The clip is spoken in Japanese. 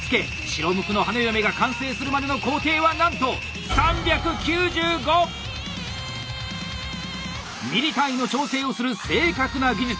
白無垢の花嫁が完成するまでの工程はなんとミリ単位の調整をする正確な技術！